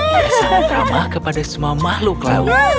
dia sangat ramah kepada semua makhluk laut